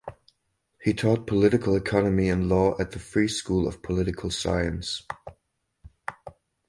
He taught political economy and law at the Free school of political science.